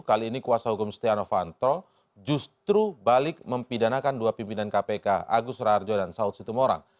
kali ini kuasa hukum setia novanto justru balik mempidanakan dua pimpinan kpk agus raharjo dan saud situmorang